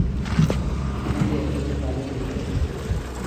Onja el'i parin dai